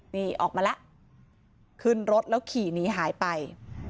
นี่ออกมาแล้วขึ้นรถแล้วขี่หนีหายไป